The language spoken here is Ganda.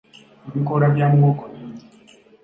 Ebikoola bya muwogo bingi.